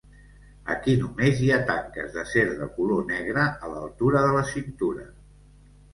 Aquí només hi ha tanques d'acer de color negre a l'altura de la cintura.